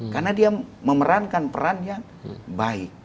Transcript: karena dia memerankan peran yang baik